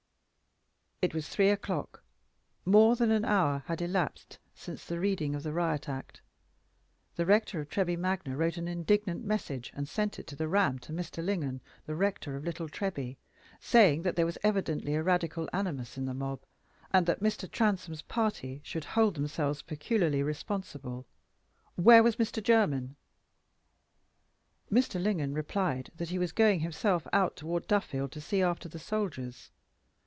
It was three o'clock; more than an hour had elapsed since the reading of the Riot Act. The rector of Treby Magna wrote an indignant message and sent it to the Ram, to Mr. Lingon, the rector of Little Treby, saying that there was evidently a Radical animus in the mob, and that Mr. Transome's party should hold themselves peculiarly responsible. Where was Mr. Jermyn? Mr. Lingon replied that he was going himself out toward Duffield to see after the soldiers.